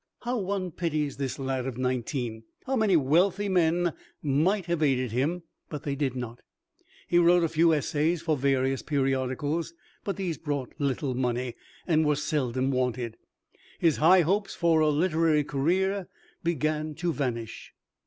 How one pities this lad of nineteen! How many wealthy men might have aided him, but they did not! He wrote a few essays for various periodicals, but these brought little money, and were seldom wanted. His high hopes for a literary career began to vanish.